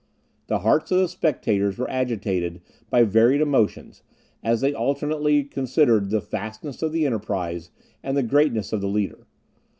The hearts of the spectators were agitated by varied emotions, as they alternately considered the vastness of the enterprise, and the greatness of the leader.